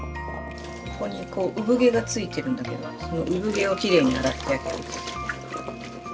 ここにこう産毛がついてるんだけどその産毛をきれいに洗ってあげる。